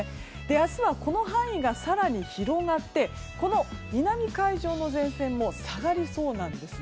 明日はこの範囲が更に広がってこの南海上の前線も下がりそうなんです。